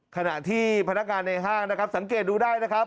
ขณะที่พนักงานในห้างนะครับสังเกตดูได้นะครับ